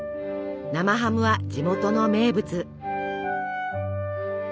生ハムは地元の名物。